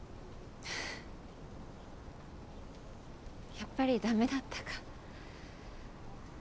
やっぱりダメだったか。